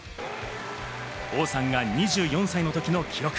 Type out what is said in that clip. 王さんが２４歳の時の記録。